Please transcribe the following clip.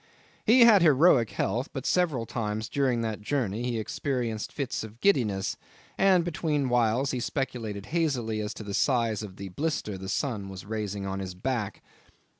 He had heroic health; but several times during that journey he experienced fits of giddiness, and between whiles he speculated hazily as to the size of the blister the sun was raising on his back.